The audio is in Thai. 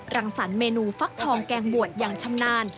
รังสรรคเมนูฟักทองแกงบวชอย่างชำนาญ